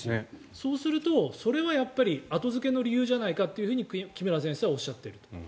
そうすると、それはやっぱり後付けの理由じゃないとか木村先生はおっしゃっている。